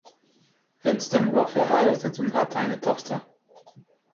Winston war verheiratet und hatte eine Tochter.